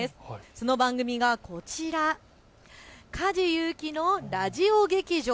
その番組がこちら梶裕貴のラジオ劇場。